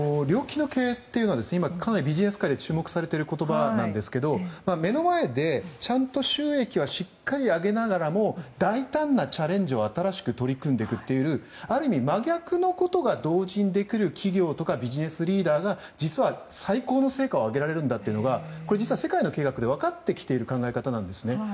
両利きの経営というのはかなりビジネス界で注目されている言葉なんですけど目の前でちゃんと収益はしっかり挙げながらも大胆なチャレンジに新しく取り組んでいくというある意味、真逆のことが同時にできる企業とかビジネスリーダーが実は最高の成果を挙げられるんだというのが世界で分かってきている考え方なんですね。